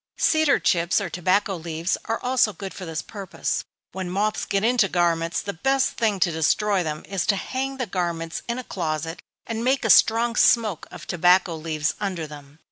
Cedar chips, or tobacco leaves, are also good for this purpose. When moths get into garments, the best thing to destroy them is to hang the garments in a closet, and make a strong smoke of tobacco leaves under them.